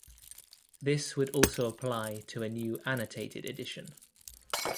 This would also apply to a new annotated edition.